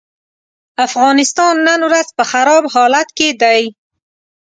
افغانستان نن ورځ په خراب حالت کې دی.